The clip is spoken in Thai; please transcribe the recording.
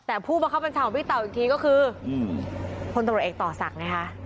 แต่ผู้มาเข้าเป็นชาวของพี่เต่าอีกทีก็คือคนตรวจเอกต่อศักดิ์ไงฮะ